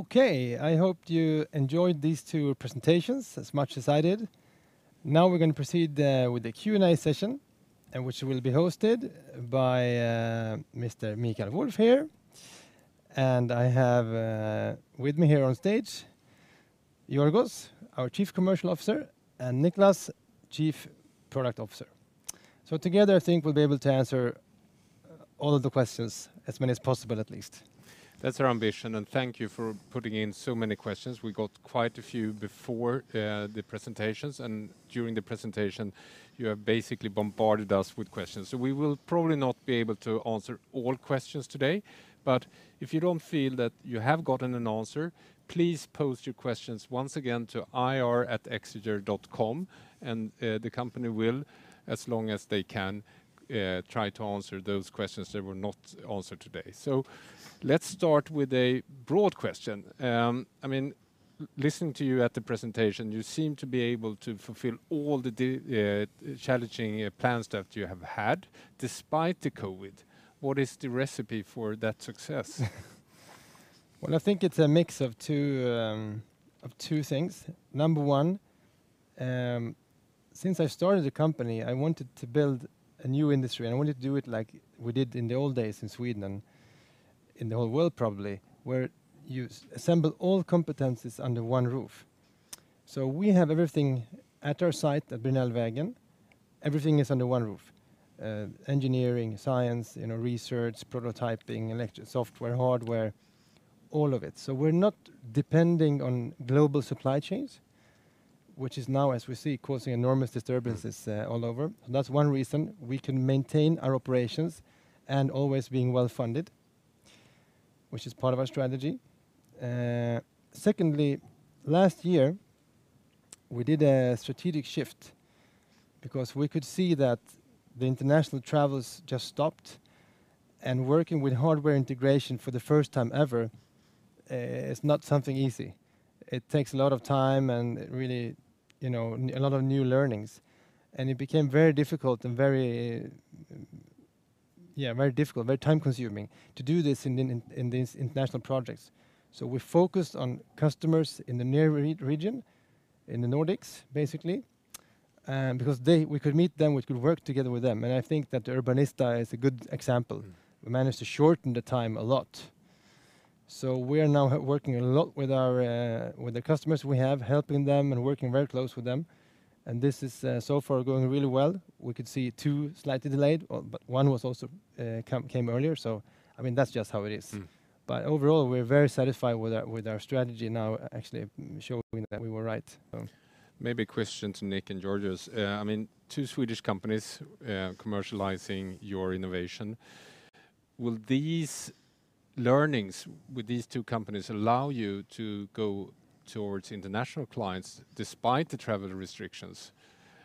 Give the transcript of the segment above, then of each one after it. Okay, I hope you enjoyed these two presentations as much as I did. We're going to proceed with the Q&A session, which will be hosted by Mr. Mikael Wåhlstedt here. I have with me here on stage, Georgios, our Chief Commercial Officer, and Nicklas, Chief Product Officer. Together, I think we'll be able to answer all of the questions, as many as possible at least. That's our ambition, and thank you for putting in so many questions. We got quite a few before the presentations, and during the presentation, you have basically bombarded us with questions. We will probably not be able to answer all questions today, but if you don't feel that you have gotten an answer, please post your questions once again to ir@exeger.com, and the company will, as long as they can, try to answer those questions that were not answered today. Let's start with a broad question. Listening to you at the presentation, you seem to be able to fulfill all the challenging plans that you have had despite the COVID. What is the recipe for that success? Well, I think it's a mix of two things. Number one, since I started the company, I wanted to build a new industry, and I wanted to do it like we did in the old days in Sweden, in the whole world probably, where you assemble all competencies under one roof. We have everything at our site at Brinellvägen. Everything is under one roof, engineering, science, research, prototyping, software, hardware, all of it. We're not depending on global supply chains, which is now, as we see, causing enormous disturbances all over. That's one reason we can maintain our operations and always being well-funded, which is part of our strategy. Secondly, last year, we did a strategic shift because we could see that the international travels just stopped, and working with hardware integration for the first time ever is not something easy. It takes a lot of time and really a lot of new learnings, and it became very difficult and very time-consuming to do this in these international projects. We focused on customers in the near region, in the Nordics, basically, because we could meet them, we could work together with them. I think that Urbanista is a good example. We managed to shorten the time a lot. We are now working a lot with the customers we have, helping them and working very closely with them, and this is so far going really well. We could see two slightly delayed, but one also came earlier. That's just how it is. Overall, we're very satisfied with our strategy now actually showing that we were right. Maybe a question to Nick and Georgios. Two Swedish companies commercializing your innovation. Will these learnings with these two companies allow you to go towards international clients despite the travel restrictions?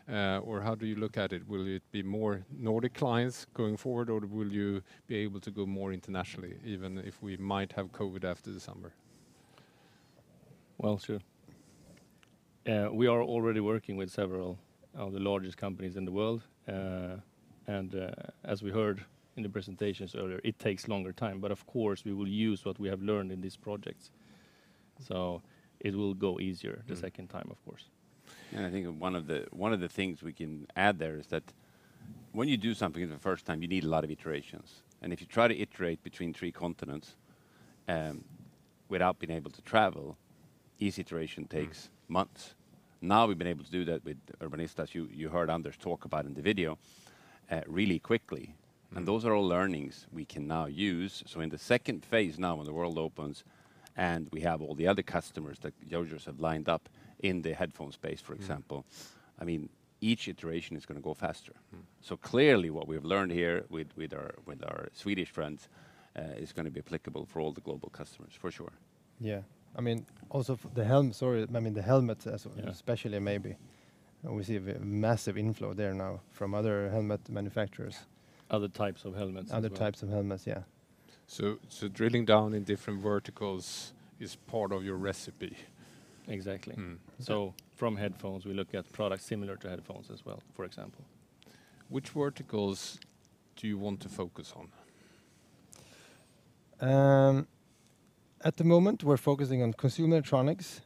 How do you look at it? Will it be more Nordic clients going forward, or will you be able to go more internationally, even if we might have COVID after the summer? Well, sure. We are already working with several of the largest companies in the world. As we heard in the presentations earlier, it takes a longer time, of course, we will use what we have learned in these projects, it will go easier the second time, of course. I think one of the things we can add there is that when you do something for the first time, you need a lot of iterations. If you try to iterate between three continents without being able to travel, each iteration takes months. Now we've been able to do that with Urbanista, as you heard Anders talk about in the video, really quickly. Those are all learnings we can now use. In the second phase now, when the world opens and we have all the other customers that Georgios have lined up in the headphone space, for example, each iteration is going to go faster. Clearly, what we've learned here with our Swedish friends is going to be applicable for all the global customers, for sure. Yeah. Also, the helmets especially maybe. We see a massive inflow there now from other helmet manufacturers. Other types of helmets as well. Other types of helmets, yeah. Drilling down in different verticals is part of your recipe. Exactly. From headphones, we look at products similar to headphones as well, for example. Which verticals do you want to focus on? At the moment, we're focusing on consumer electronics,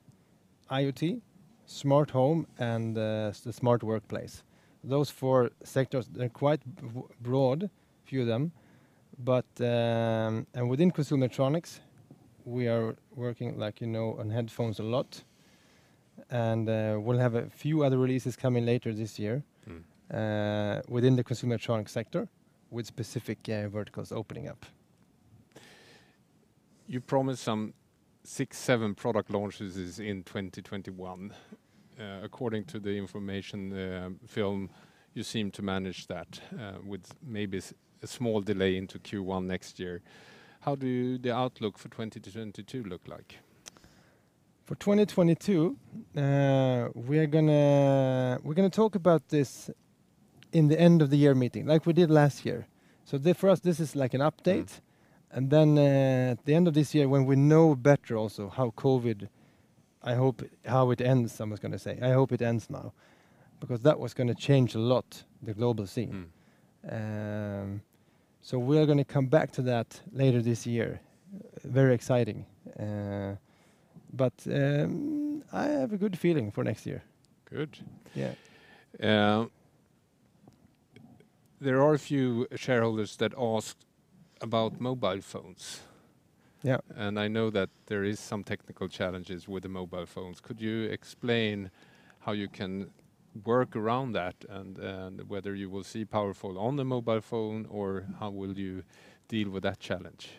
IoT, smart home, and the smart workplace. Those four sectors, they're quite broad, a few of them. Within consumer electronics, we are working on headphones a lot, and we'll have a few other releases coming later this year. within the consumer electronics sector with specific verticals opening up. You promised some six, seven product launches in 2021. According to the information film, you seem to manage that with maybe a small delay into Q1 next year. How do the outlook for 2022 look like? For 2022, we're going to talk about this in the end of the year meeting, like we did last year. For us, this is like an update. At the end of this year, when we know better also how COVID I hope how it ends, someone's going to say, I hope it ends now. That was going to change a lot, the global scene. We're going to come back to that later this year. Very exciting. I have a good feeling for next year. Good. Yeah. There are a few shareholders that asked about mobile phones. Yeah. I know that there is some technical challenges with the mobile phones. Could you explain how you can work around that, and whether you will see Powerfoyle on the mobile phone, or how will you deal with that challenge?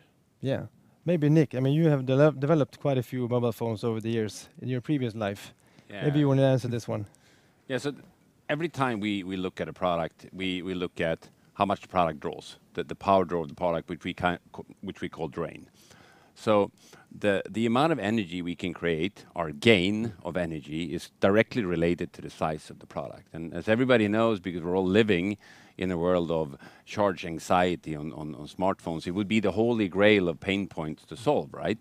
Yeah. Maybe Nick, you have developed quite a few mobile phones over the years in your previous life. Yeah. Maybe you want to answer this one. Yeah. Every time we look at a product, we look at how much the product draws, the power draw of the product, which we call drain. The amount of energy we can create, our gain of energy, is directly related to the size of the product. As everybody knows, because we're all living in a world of charge anxiety on smartphones, it would be the holy grail of pain points to solve, right?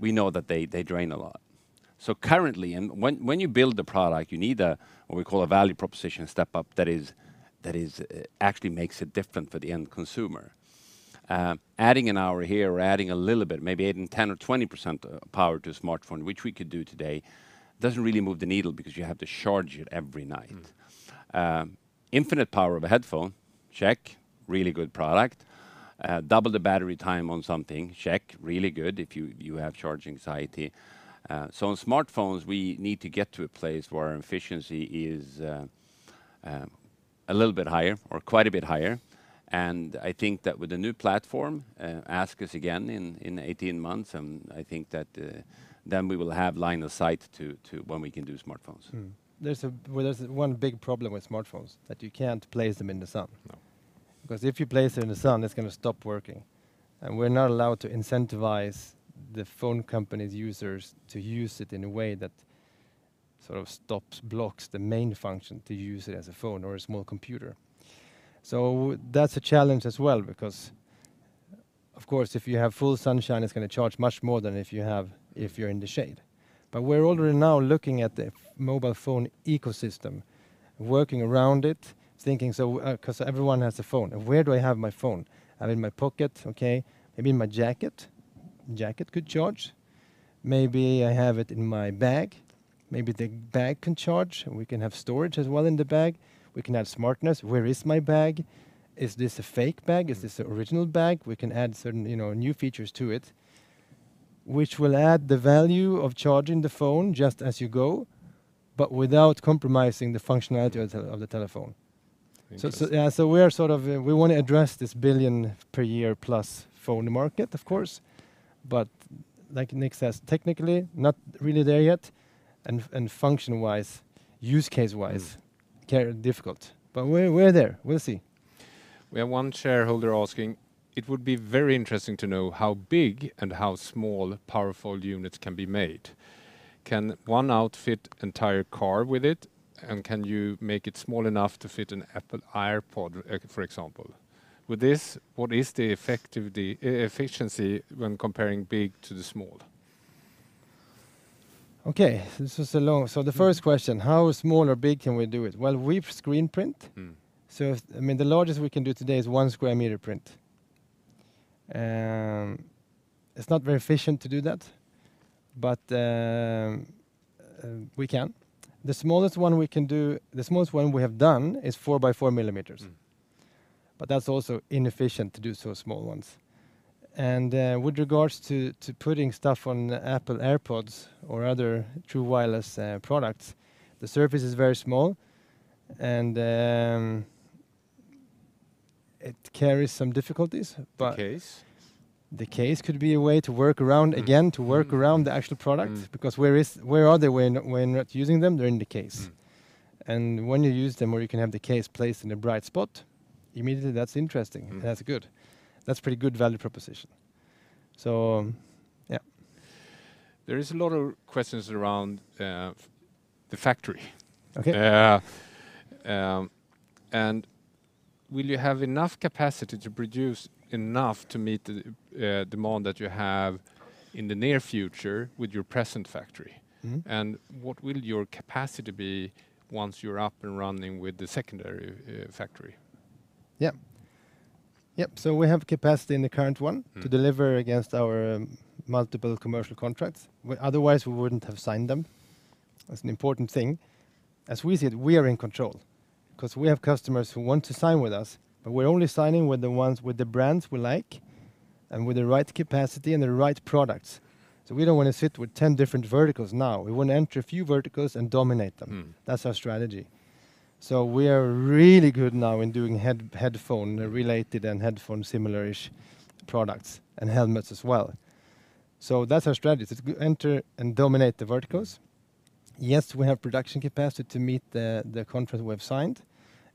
We know that they drain a lot. Currently, when you build the product, you need what we call a value proposition step-up that actually makes it different for the end consumer. Adding an hour here or adding a little bit, maybe adding 10% or 20% power to a smartphone, which we could do today, doesn't really move the needle because you have to charge it every night. Infinite power of a headphone, check, really good product. Double the battery time on something, check, really good if you have charge anxiety. On smartphones, we need to get to a place where our efficiency is a little bit higher or quite a bit higher. I think that with the new platform, ask us again in 18 months, and I think that then we will have line of sight to when we can do smartphones. There's one big problem with smartphones, that you can't place them in the sun. If you place it in the sun, it's going to stop working. We're not allowed to incentivize the phone company's users to use it in a way that sort of blocks the main function, to use it as a phone or a small computer. That's a challenge as well because, of course, if you have full sunshine, it's going to charge much more than if you're in the shade. We're already now looking at the mobile phone ecosystem, working around it, thinking so because everyone has a phone, and where do I have my phone? Out in my pocket. Maybe in my jacket. Jacket could charge. Maybe I have it in my bag. Maybe the bag can charge, and we can have storage as well in the bag. We can have smartness. Where is my bag? Is this a fake bag? Is this the original bag? We can add certain new features to it, which will add the value of charging the phone just as you go, but without compromising the functionality of the telephone. Interesting. We want to address this billion per year plus phone market, of course. Like Nick says, technically, not really there yet. difficult. We're there. We'll see. We have one shareholder asking, "It would be very interesting to know how big and how small Powerfoyle units can be made. Can one outfit entire car with it? Can you make it small enough to fit an Apple AirPods, for example? With this, what is the efficiency when comparing big to the small? Okay. This is long. The first question, how small or big can we do it? Well, we've screen print. The largest we can do today is one square meter print. It's not very efficient to do that, but we can. The smallest one we have done is four by four millimeters. That's also inefficient to do so small ones. With regards to putting stuff on Apple AirPods or other true wireless products, the surface is very small, and it carries some difficulties. The case. The case could be a way, again, to work around the actual product. Because where are they when you're not using them? They're in the case. When you use them or you can have the case placed in a bright spot, immediately, that's interesting. That's good. That's pretty good value proposition. Yeah. There is a lot of questions around the factory. Okay. Will you have enough capacity to produce enough to meet the demand that you have in the near future with your present factory? What will your capacity be once you're up and running with the secondary factory? Yep. We have capacity in the current one. to deliver against our multiple commercial contracts. Otherwise, we wouldn't have signed them. That's an important thing. As we said, we are in control because we have customers who want to sign with us, but we're only signing with the ones with the brands we like and with the right capacity and the right products. We don't want to sit with 10 different verticals now. We want to enter a few verticals and dominate them. That's our strategy. We are really good now in doing headphone related and headphone similar-ish products, and helmets as well. That's our strategy, to enter and dominate the verticals. Yes, we have production capacity to meet the contract we have signed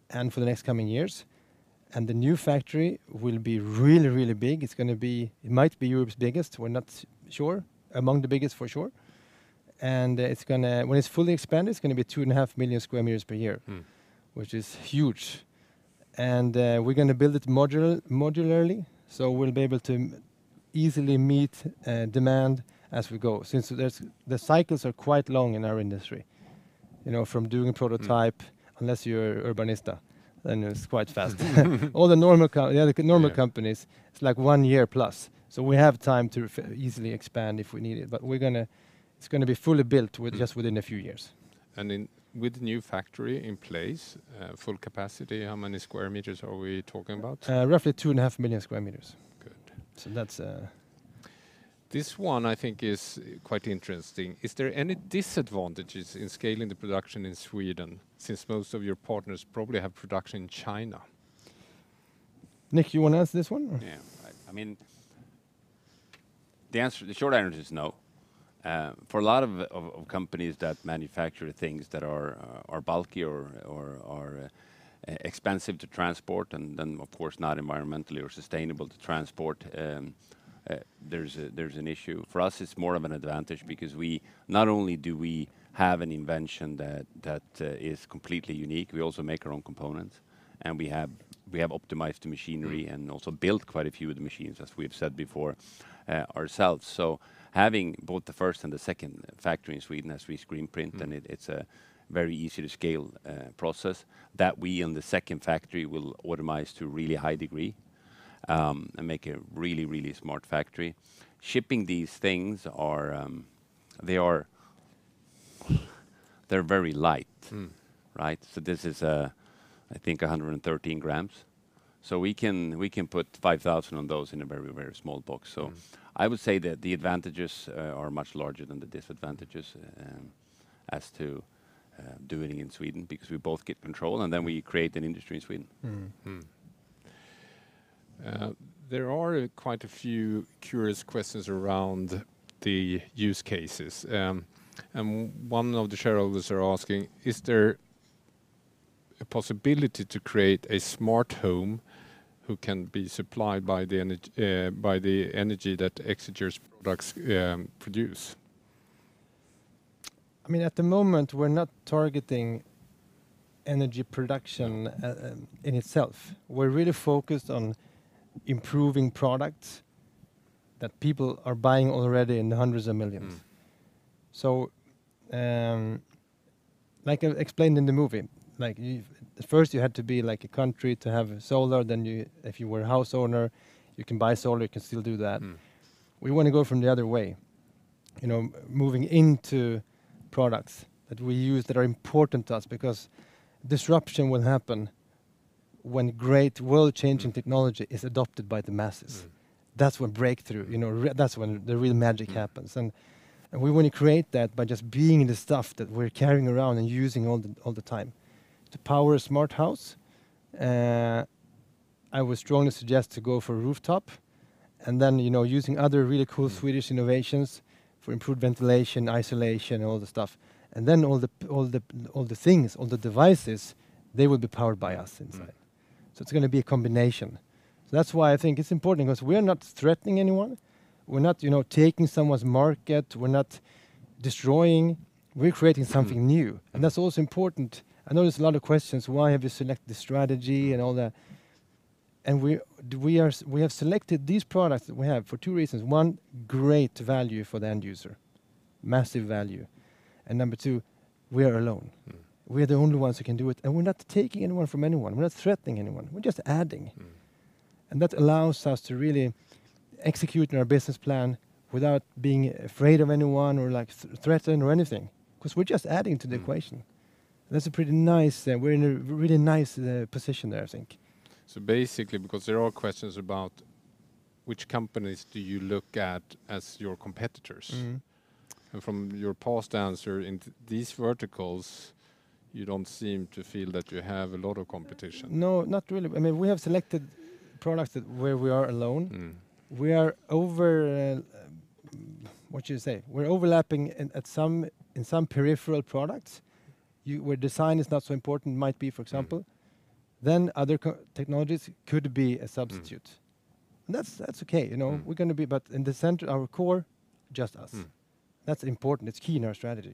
and for the next coming years. The new factory will be really big. It might be Europe's biggest. We're not sure. Among the biggest, for sure. When it's fully expanded, it's going to be 2.5 million sq m per year. Which is huge. We're going to build it modularly, so we'll be able to easily meet demand as we go since the cycles are quite long in our industry. From doing a prototype, unless you're Urbanista, then it's quite fast. All the other normal companies, it's like one year plus. We have time to easily expand if we need it. It's going to be fully built just within a few years. With new factory in place, full capacity, how many square meters are we talking about? Roughly 2.5 million sq m. Good. So that's? This one, I think, is quite interesting. Is there any disadvantages in scaling the production in Sweden since most of your partners probably have production in China? Nick, you want to answer this one, or? Yeah. The short answer is no. For a lot of companies that manufacture things that are bulky or are expensive to transport and then, of course, not environmentally or sustainable to transport, there's an issue. For us, it's more of an advantage because not only do we have an invention that is completely unique, we also make our own components, and we have optimized the machinery and also built quite a few of the machines, as we have said before, ourselves. Having both the first and the second factory in Sweden as we screen print, and it's a very easy-to-scale process that we, in the second factory, will automize to a really high degree, and make a really smart factory. Shipping these things, they're very light. This is, I think, 113 g, so we can put 5,000 of those in a very small box. I would say that the advantages are much larger than the disadvantages as to doing it in Sweden because we both get control and then we create an industry in Sweden. There are quite a few curious questions around the use cases. One of the shareholders are asking, "Is there a possibility to create a smart home who can be supplied by the energy that Exeger's products produce? At the moment, we're not targeting energy production. No in itself. We're really focused on improving products that people are buying already in the hundreds of millions. Like I explained in the movie, first you had to be a country to have solar, then if you were a house owner, you can buy solar, you can still do that. We want to go from the other way, moving into products that we use that are important to us because disruption will happen when great world-changing technology is adopted by the masses. That's when the real magic happens. We want to create that by just being the stuff that we're carrying around and using all the time. To power a smart house, I would strongly suggest to go for a rooftop and then using other really cool Swedish innovations for improved ventilation, isolation, and all the stuff. All the things, all the devices, they will be powered by us inside. Right. It's going to be a combination. That's why I think it's important because we are not threatening anyone. We're not taking someone's market. We're not destroying. We're creating something new, and that's also important. I know there's a lot of questions, why have you selected this strategy and all that. We have selected these products that we have for two reasons. One, great value for the end user. Massive value. Number two, we are alone. We are the only ones who can do it, and we're not taking anyone from anyone. We're not threatening anyone. We're just adding. That allows us to really execute on our business plan without being afraid of anyone or threatened or anything, because we're just adding to the equation. That's pretty nice. We're in a really nice position there, I think. Basically, because there are questions about which companies do you look at as your competitors. From your past answer in these verticals, you don't seem to feel that you have a lot of competition. No, not really. We have selected products where we are alone. We're overlapping in some peripheral products where design is not so important, might be, for example. Other technologies could be a substitute. That's okay. In the center, our core, just us. That's important. It's key in our strategy.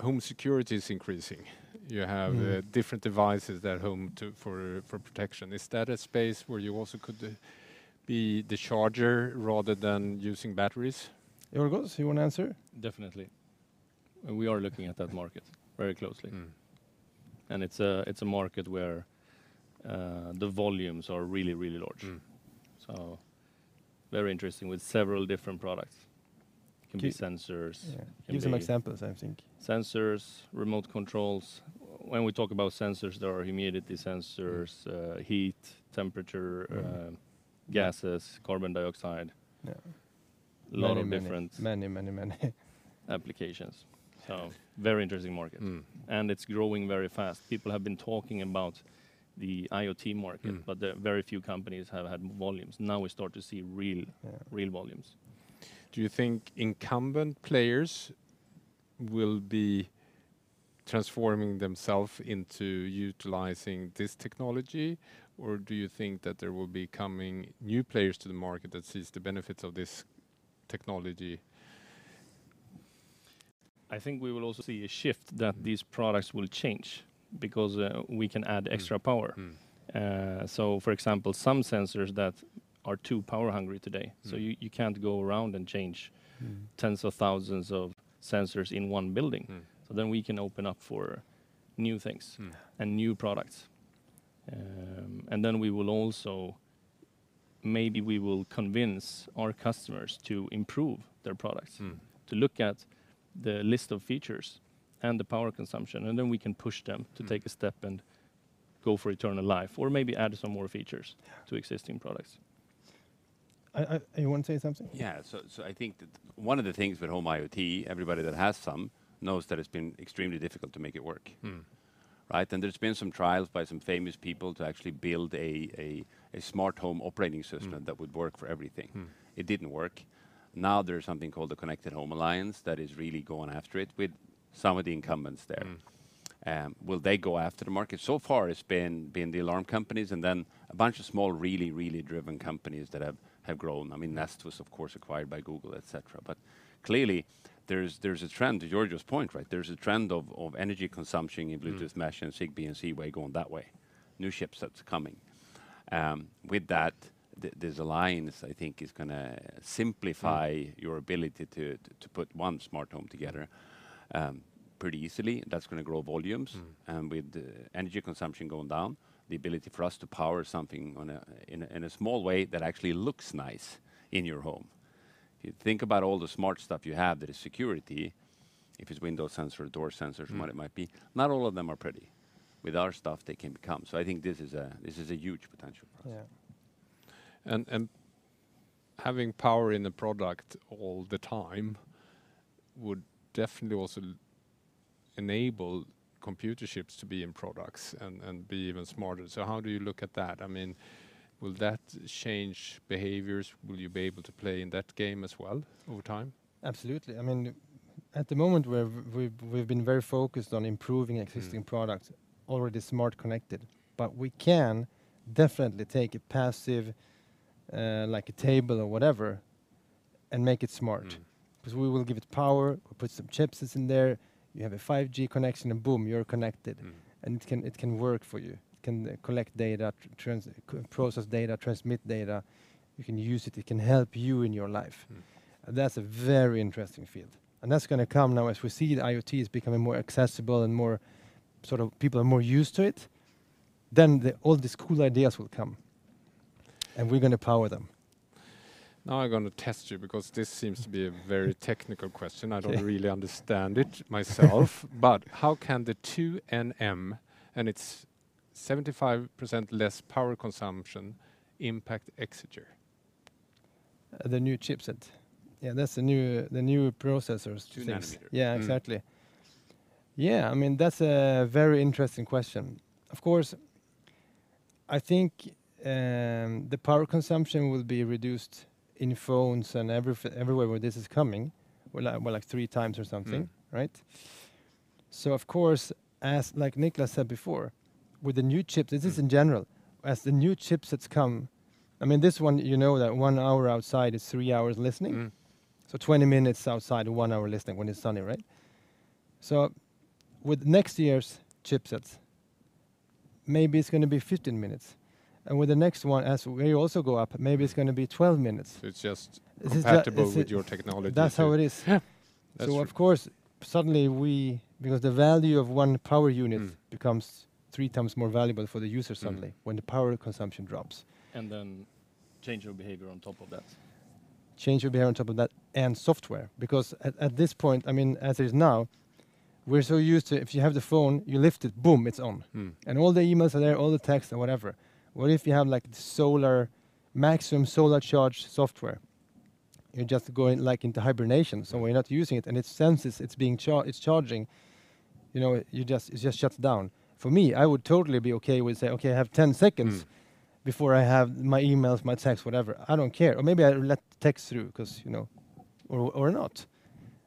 Home security is increasing. different devices at home for protection. Is that a space where you also could be the charger rather than using batteries? Georgios, you want to answer? Definitely. We are looking at that market very closely. It's a market where the volumes are really large. Very interesting with several different products. Give some examples, I think. sensors, remote controls. When we talk about sensors, there are humidity sensors, heat, temperature. gases, carbon dioxide. Yeah. A lot of different Many applications. Very interesting market. It's growing very fast. People have been talking about the IoT market. Very few companies have had volumes. Now we start to see real. Yeah volumes. Do you think incumbent players will be transforming themselves into utilizing this technology, or do you think that there will be coming new players to the market that sees the benefits of this technology? I think we will also see a shift that these products will change because we can add extra power. For example, some sensors that are too power hungry today. You can't go around and change tens of thousands of sensors in one building. We can open up for new things. New products. Maybe we will convince our customers to improve their products. To look at the list of features and the power consumption, and then we can push them to take a step and go for eternal life or maybe add some more features to existing products. You want to say something? Yeah. I think that one of the things with home IoT, everybody that has some, knows that it's been extremely difficult to make it work. Right? There's been some trials by some famous people to actually build a smart home operating system. that would work for everything. It didn't work. Now there's something called the Connectivity Standards Alliance that is really going after it with some of the incumbents there. Will they go after the market? So far it's been the alarm companies and then a bunch of small, really driven companies that have grown. Nest was of course acquired by Google, et cetera. Clearly, to Georgios, point, there's a trend of energy consumption in Bluetooth Mesh and Zigbee and Z-Wave going that way. New chipsets coming. With that, this alliance, I think is going to simplify your ability to put one smart home together pretty easily. That's going to grow volumes. With the energy consumption going down, the ability for us to power something in a small way that actually looks nice in your home. You think about all the smart stuff you have that is security, if it's window sensor, door sensors, what it might be, not all of them are pretty. With our stuff, they can become. I think this is a huge potential for us. Yeah. Having power in the product all the time would definitely also enable computer chips to be in products and be even smarter. How do you look at that? Will that change behaviors? Will you be able to play in that game as well over time? Absolutely. At the moment, we've been very focused on improving existing products already smart connected. We can definitely take a passive, like a table or whatever, and make it smart. We will give it power. We'll put some chipsets in there. You have a 5G connection, and boom, you're connected. It can work for you. It can collect data, process data, transmit data. You can use it. It can help you in your life. That's a very interesting field, and that's going to come now as we see the IoT is becoming more accessible and people are more used to it, then all these cool ideas will come, and we're going to power them. Now I'm going to test you because this seems to be a very technical question. I don't really understand it myself. How can the 2 nm and its 75% less power consumption impact Exeger? The new chipset. Yeah, that's the new processor. Two nanometer. Yeah, exactly. That's a very interesting question. Of course, I think the power consumption will be reduced in phones and everywhere where this is coming, like three times or something. Right? Of course, as Nicklas said before, this is in general, as the new chipsets come, this one you know that one hour outside is three hours listening. 20 minutes outside to one hour listening when it's sunny, right? With next year's chipsets, maybe it's going to be 15 minutes, and with the next one as we also go up, maybe it's going to be 12 minutes. It's just compatible with your technology too. That's how it is. Yeah. That's true. Of course, suddenly because the value of 1 power unit becomes three times more valuable for the user suddenly when the power consumption drops. Then change your behavior on top of that. Change your behavior on top of that and software. At this point, as it is now, we're so used to if you have the phone, you lift it, boom, it's on. All the emails are there, all the texts, and whatever. What if you have maximum solar charge software? You are just going into hibernation. When you are not using it, and it senses it is charging, it just shuts down. For me, I would totally be okay with saying, okay, I have 10 seconds before I have my emails, my texts, whatever. I do not care. Maybe I let the text through or not,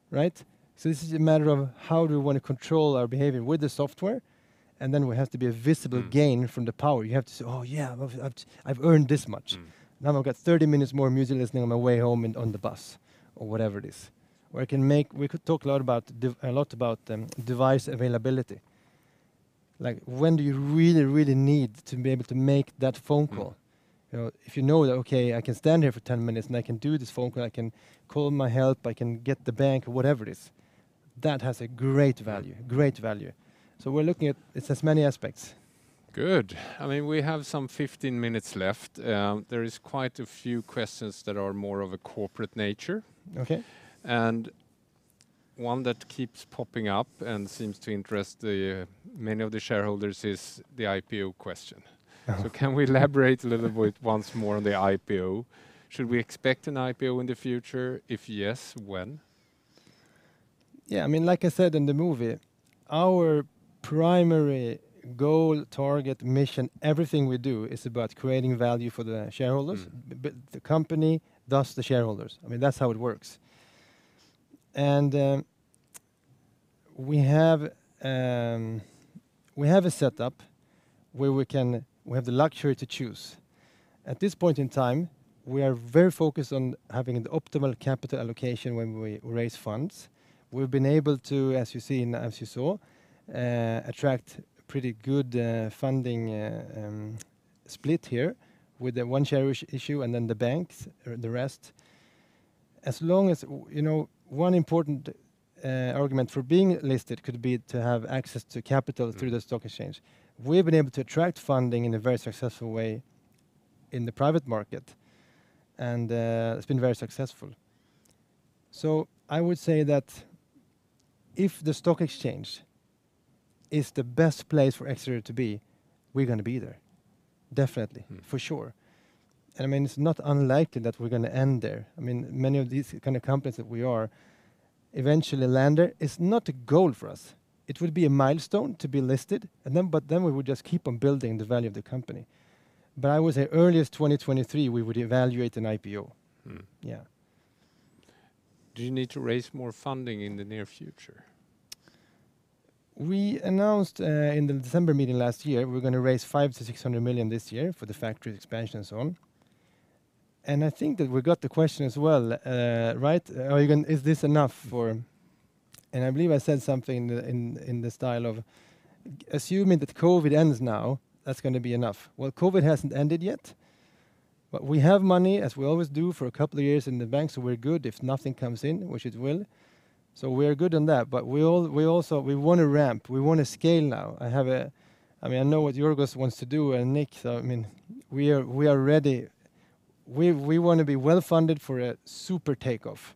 right? This is a matter of how do we want to control our behavior with the software, and then we have to be a visible gain from the power. You have to say, oh yeah, I have earned this much. Now I have got 30 minutes more music listening on my way home on the bus, or whatever it is. We could talk a lot about device availability. When do you really need to be able to make that phone call? If you know that, okay, I can stand here for 10 minutes, and I can do this phone call, I can call my help, I can get the bank or whatever it is, that has a great value. We're looking at, it has many aspects. Good. We have some 15 minutes left. There is quite a few questions that are more of a corporate nature. Okay. One that keeps popping up and seems to interest many of the shareholders is the IPO question. Can we elaborate a little bit once more on the IPO? Should we expect an IPO in the future? If yes, when? Yeah. Like I said in the movie, our primary goal, target, mission, everything we do is about creating value for the shareholders. The company, thus the shareholders. That's how it works. We have a setup where we have the luxury to choose. At this point in time, we are very focused on having an optimal capital allocation when we raise funds. We've been able to, as you saw, attract pretty good funding split here with the one share issue and then the banks, the rest. One important argument for being listed could be to have access to capital through the stock exchange. We've been able to attract funding in a very successful way in the private market, and it's been very successful. I would say that if the stock exchange is the best place for Exeger to be, we're going to be there, definitely. For sure. It's not unlikely that we're going to end there. Many of these kind of companies that we are eventually land there. It's not a goal for us. It will be a milestone to be listed, but then we would just keep on building the value of the company. I would say earliest 2023 we would evaluate an IPO. Yeah. Do you need to raise more funding in the near future? We announced in the December meeting last year, we're going to raise 500 million-600 million this year for the factory expansion and so on. I think that we got the question as well, Örjan, is this enough for, I believe I said something in the style of assuming that COVID ends now, that's going to be enough. Well, COVID hasn't ended yet, we have money, as we always do, for a couple of years in the bank, we're good if nothing comes in, which it will. We're good on that. We also want to ramp, we want to scale now. I know what Georgios wants to do, and Nick. We are ready. We want to be well-funded for a super takeoff.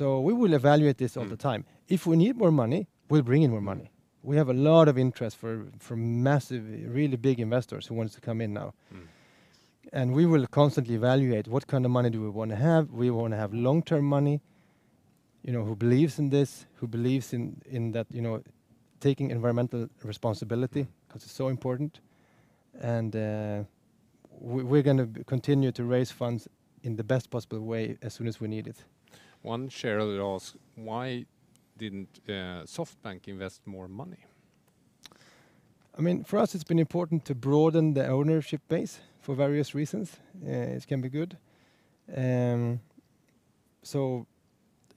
We will evaluate this all the time. If we need more money, we'll bring in more money. We have a lot of interest from massive, really big investors who wants to come in now. We will constantly evaluate what kind of money do we want to have. We want to have long-term money, who believes in this, who believes in taking environmental responsibility because it's so important. We're going to continue to raise funds in the best possible way as soon as we need it. One shareholder asked, why didn't SoftBank invest more money? For us, it's been important to broaden the ownership base for various reasons. It can be good.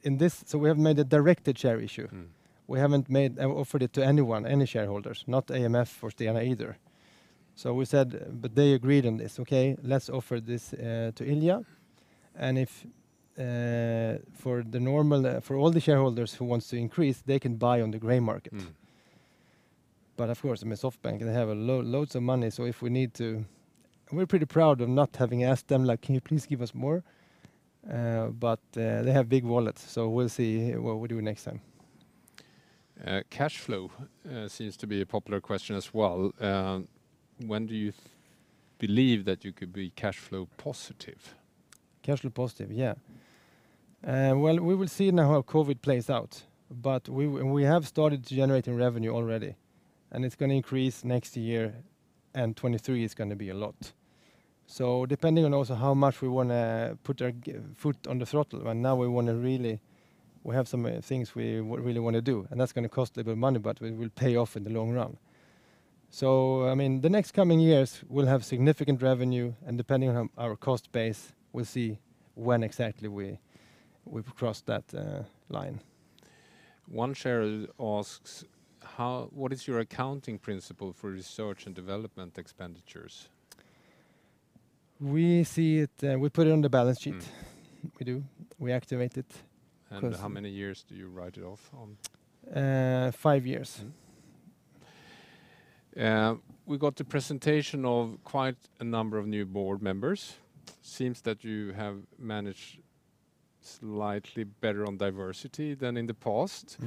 We have made a directed share issue. We haven't offered it to anyone, any shareholders, not AMF or Stena either. They agreed on this, okay, let's offer this to Ilija, and for all the shareholders who wants to increase, they can buy on the gray market. Of course, SoftBank, they have loads of money, so if we need to. We're pretty proud of not having asked them, can you please give us more? They have big wallets, so we'll see what we do next time. Cash flow seems to be a popular question as well. When do you believe that you could be cash flow positive? Cash flow positive. Yeah. We will see now how COVID plays out, but we have started generating revenue already, and it's going to increase next year, and 2023 is going to be a lot. Depending on also how much we want to put our foot on the throttle, and now we have some things we really want to do, and that's going to cost a bit of money, but it will pay off in the long run. The next coming years will have significant revenue, and depending on our cost base, we'll see when exactly we've crossed that line. One shareholder asks, what is your accounting principle for research and development expenditures? We put it on the balance sheet. We do. We activate it. How many years do you write it off on? Five years. We got the presentation of quite a number of new board members. Seems that you have managed slightly better on diversity than in the past.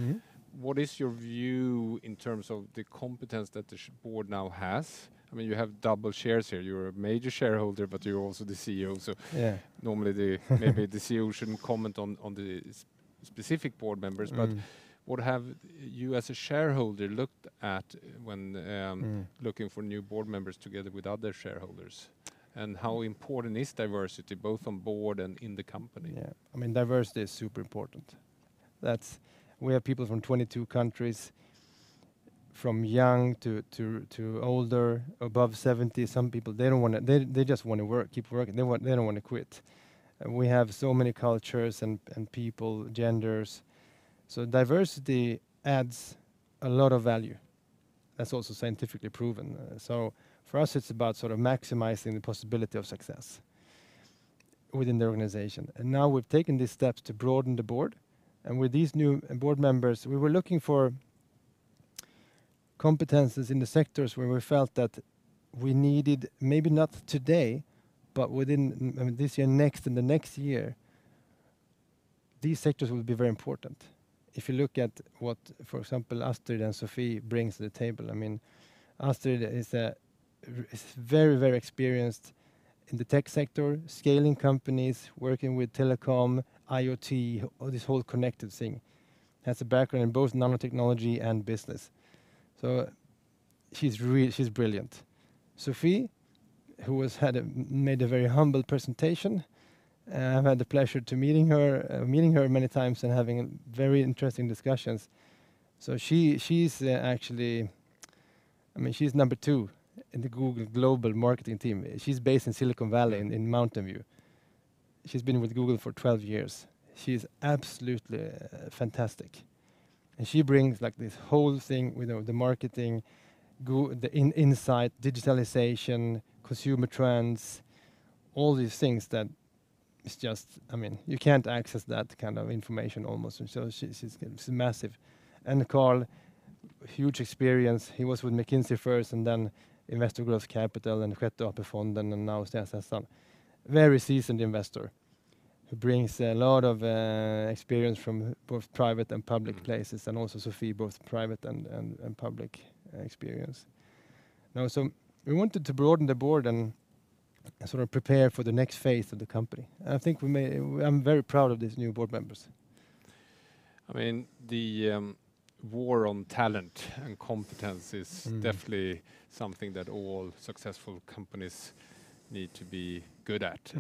What is your view in terms of the competence that the board now has? You have double chairs here. You're a major shareholder, but you're also the CEO. Yeah Normally maybe the CEO shouldn't comment on the specific board members, but what have you as a shareholder looked at when looking for new board members together with other shareholders? How important is diversity both on board and in the company? Yeah. Diversity is super important. We have people from 22 countries, from young to older, above 70. Some people, they just want to keep working. They don't want to quit. We have so many cultures and people, genders. Diversity adds a lot of value, that's also scientifically proven. For us, it's about maximizing the possibility of success within the organization. Now we've taken these steps to broaden the board, and with these new board members, we were looking for competencies in the sectors where we felt that we needed, maybe not today, but within this year, next, and the next year, these sectors will be very important. If you look at what, for example, Astrid and Sofie brings to the table. Astrid is very experienced in the tech sector, scaling companies, working with telecom, IoT, this whole connected thing. Has a background in both nanotechnology and business. She's brilliant. Sofie, who has made a very humble presentation. I've had the pleasure to meeting her many times and having very interesting discussions. She's number two in the Google global marketing team. She's based in Silicon Valley in Mountain View. She's been with Google for 12 years. She's absolutely fantastic, and she brings this whole thing with the marketing insight, digitalization, consumer trends, all these things that you can't access that kind of information almost, and so she's massive. Karl, huge experience. He was with McKinsey first and then Investor Growth Capital, and then Seventh AP Fund, and now Stena Sessan. Very seasoned investor who brings a lot of experience from both private and public places, and also Sofie, both private and public experience. Now, we wanted to broaden the board and prepare for the next phase of the company. I'm very proud of these new board members. The war on talent and competence is definitely something that all successful companies need to be good at.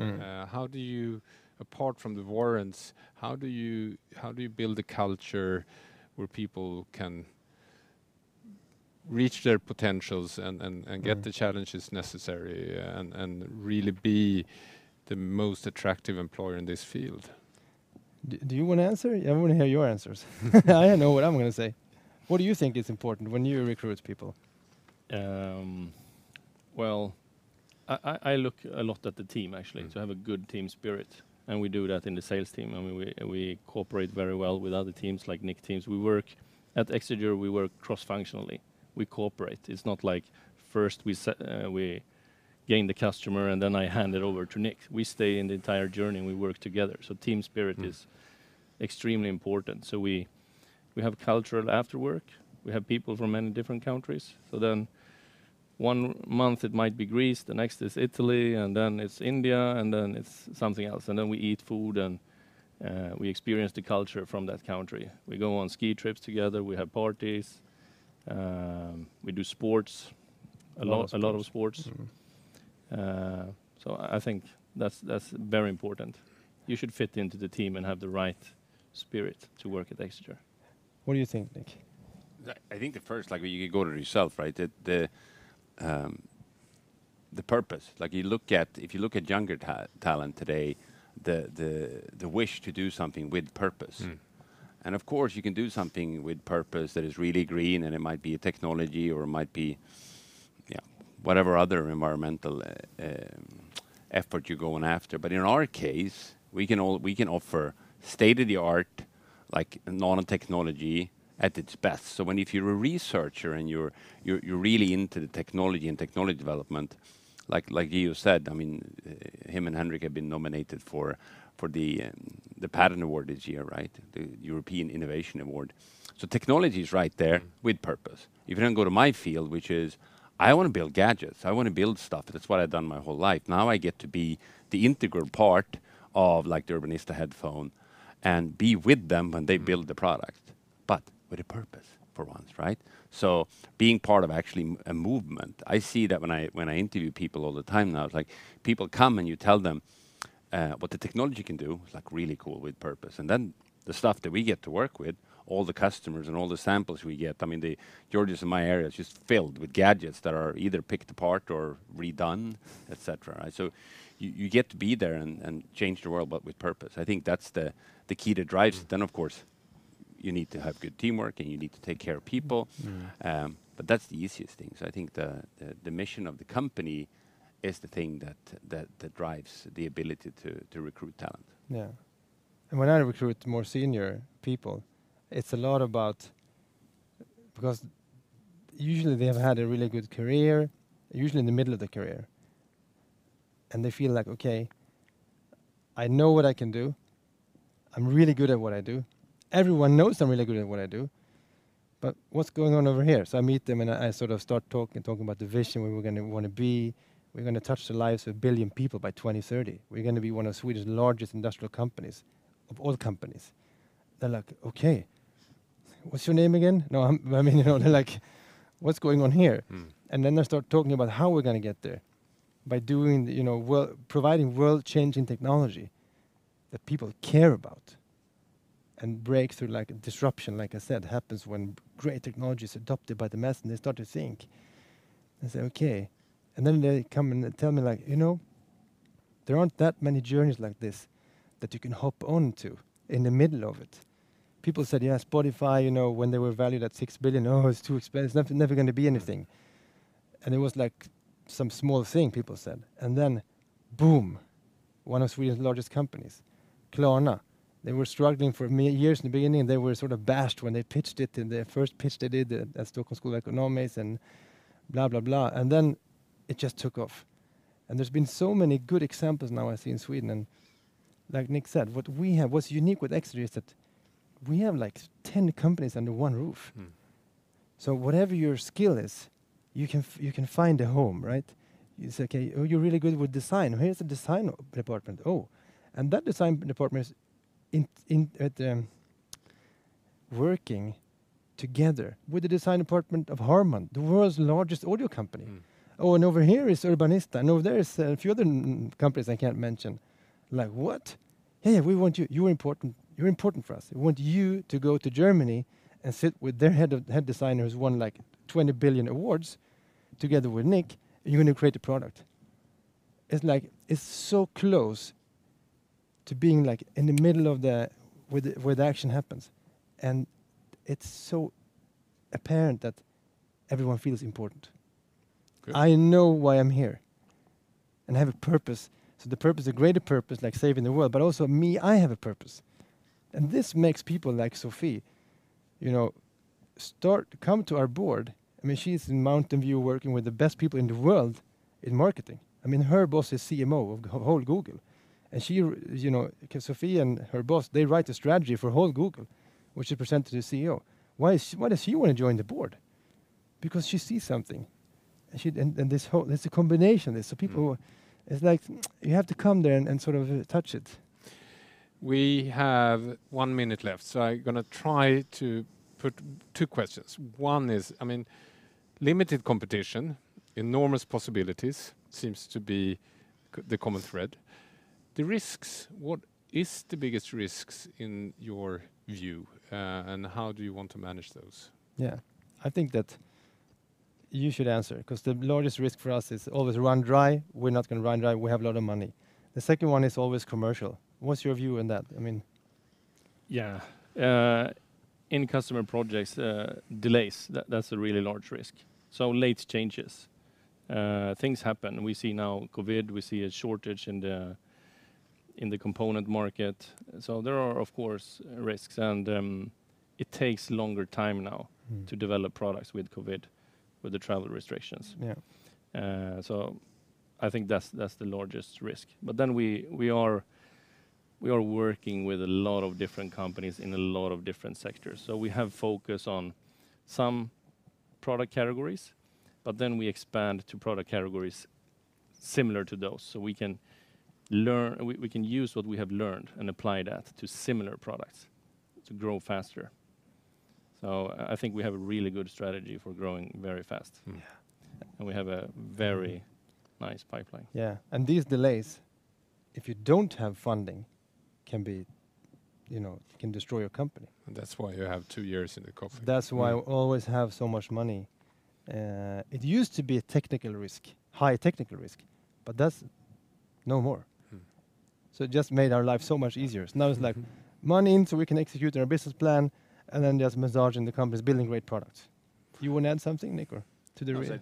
Apart from the warrants, how do you build a culture where people can reach their potentials and get the challenges necessary and really be the most attractive employer in this field? Do you want to answer? I want to hear your answers. I know what I'm going to say. What do you think is important when you recruit people? I look a lot at the team, actually, to have a good team spirit, and we do that in the sales team, and we cooperate very well with other teams like Nick's teams. At Exeger, we work cross-functionally. We cooperate. It's not like first we gain the customer and then I hand it over to Nick. We stay in the entire journey, and we work together. Team spirit is extremely important. We have cultural after-work. We have people from many different countries. One month it might be Greece, the next is Italy, and then it's India, and then it's something else. We eat food, and we experience the culture from that country. We go on ski trips together. We have parties. We do sports, a lot of sports. Sports. I think that's very important. You should fit into the team and have the right spirit to work at Exeger. What do you think, Nick? I think the first, you go to yourself. The purpose. If you look at younger talent today, the wish to do something with purpose. Of course, you can do something with purpose that is really green, and it might be a technology or it might be whatever other environmental effort you're going after. In our case, we can offer state-of-the-art nanotechnology at its best. If you're a researcher and you're really into the technology and technology development, like you said, him and Henrik have been nominated for the patent award this year, the European Inventor Award. Technology is right there with purpose. If you then go to my field, which is I want to build gadgets. I want to build stuff. That's what I've done my whole life. Now I get to be the integral part of the Urbanista headphone and be with them when they build the product, but with a purpose for once. Being part of actually a movement. I see that when I interview people all the time now. It's like people come and you tell them what the technology can do. It's really cool with purpose, and then the stuff that we get to work with, all the customers and all the samples we get. Georgios' and my area is just filled with gadgets that are either picked apart or redone, et cetera. You get to be there and change the world, but with purpose. I think that's the key that drives it. Of course, you need to have good teamwork and you need to take care of people, but that's the easiest thing. I think the mission of the company is the thing that drives the ability to recruit talent. Yeah. When I recruit more senior people, because usually they have had a really good career, usually in the middle of their career, and they feel like, okay. I know what I can do. I'm really good at what I do. Everyone knows I'm really good at what I do, but what's going on over here? I meet them and I start talking about the vision, where we want to be. We're going to touch the lives of a billion people by 2030. We're going to be one of Sweden's largest industrial companies, of all companies. They're like, okay. What's your name again? No, they're like, what's going on here? I start talking about how we're going to get there by providing world-changing technology that people care about and breakthrough disruption, like I said, happens when great technology is adopted by the mass and they start to think. They say, okay. They come and tell me, there aren't that many journeys like this that you can hop onto in the middle of it. People said, Spotify, when they were valued at 6 billion, oh, it's too expensive. It's never going to be anything. It was some small thing people said. Boom, one of Sweden's largest companies. Klarna, they were struggling for years in the beginning, and they were bashed when they pitched it in their first pitch they did at Stockholm School of Economics and blah, blah. It just took off. There's been so many good examples now I see in Sweden, and like Nick said, what's unique with Exeger is that we have 10 companies under one roof. Whatever your skill is, you can find a home. You say, okay. Oh, you're really good with design. Here's the design department. Oh. That design department is working together with the design department of Harman, the world's largest audio company. Over here is Urbanista, and over there is a few other companies I can't mention. Like, what? Yeah, we want you. You're important for us. We want you to go to Germany and sit with their head designers, who won 20 billion awards, together with Nick, and you're going to create a product. It's so close to being in the middle of where the action happens, and it's so apparent that everyone feels important. I know why I'm here, and I have a purpose. The purpose, a greater purpose, like saving the world, but also me, I have a purpose. This makes people like Sofie come to our board. She's in Mountain View working with the best people in the world in marketing. Her boss is CMO of whole Google. Sofie and her boss, they write a strategy for whole Google, which is presented to the CEO. Why does she want to join the board? Because she sees something, and it's a combination. People, it's like you have to come there and sort of touch it. We have one minute left. I'm going to try to put two questions. One is limited competition, enormous possibilities seems to be the common thread. The risks, what is the biggest risks in your view, and how do you want to manage those? Yeah. I think that you should answer because the largest risk for us is always run dry. We're not going to run dry. We have a lot of money. The second one is always commercial. What's your view on that? Yeah. In customer projects, delays, that's a really large risk. Late changes. Things happen. We see now COVID, we see a shortage in the component market. There are, of course, risks, and it takes longer time now to develop products with COVID, with the travel restrictions. Yeah. I think that's the largest risk. We are working with a lot of different companies in a lot of different sectors. We have focus on some product categories, but then we expand to product categories similar to those, so we can use what we have learned and apply that to similar products to grow faster. I think we have a really good strategy for growing very fast. Yeah. We have a very nice pipeline. Yeah. These delays, if you don't have funding, can destroy your company. That's why you have two years in the coffers. That's why we always have so much money. It used to be a technical risk, high technical risk. That's no more. It just made our life so much easier. Now it's like money in so we can execute our business plan, and then just massaging the companies, building great products. You want to add something, Nick, to the risk?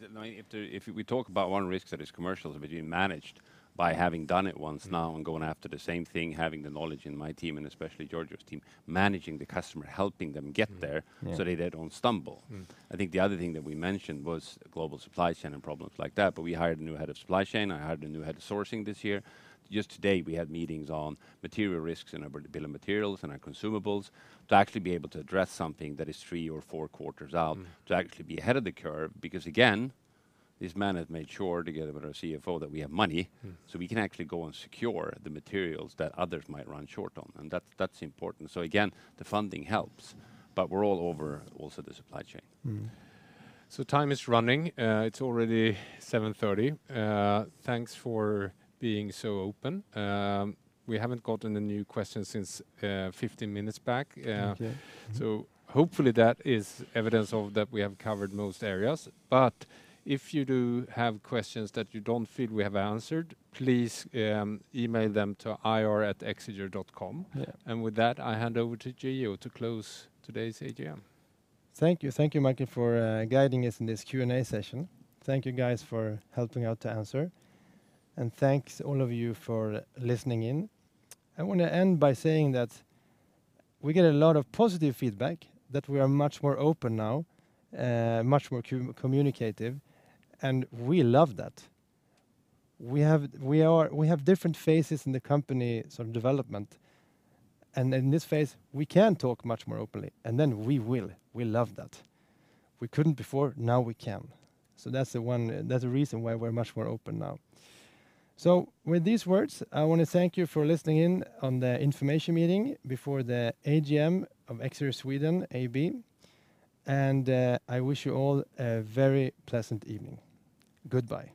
If we talk about one risk that is commercial, is being managed by having done it once now and going after the same thing, having the knowledge in my team and especially Georgios' team, managing the customer, helping them get there so they don't stumble. I think the other thing that we mentioned was global supply chain and problems like that. We hired a new head of supply chain. I hired a new head of sourcing this year. Just today, we had meetings on material risks and our bill of materials and our consumables to actually be able to address something that is three or four quarters out, to actually be ahead of the curve, because again, these men have made sure, together with our CFO, that we have money, so we can actually go and secure the materials that others might run short on. That's important. Again, the funding helps, but we're all over also the supply chain. Time is running. It's already 7:30. Thanks for being so open. We haven't gotten a new question since 15 minutes back. Thank you. Hopefully, that is evidence that we have covered most areas. If you do have questions that you don't feel we have answered, please email them to ir@exeger.com. Yeah. With that, I hand over to Gio to close today's AGM. Thank you. Thank you, Mikael, for guiding us in this Q&A session. Thank you guys for helping out to answer. Thanks all of you for listening in. I want to end by saying that we get a lot of positive feedback that we are much more open now, much more communicative, and we love that. We have different phases in the company development, and in this phase, we can talk much more openly, and then we will. We love that. We couldn't before. Now we can. That's the reason why we're much more open now. With these words, I want to thank you for listening in on the information meeting before the AGM of Exeger Sweden AB, and I wish you all a very pleasant evening. Goodbye.